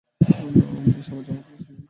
এই সমাজ আমাকে প্রশ্ন নিয়ে তাড়া করছে।